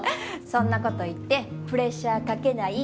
そんなこと言ってプレッシャーかけない！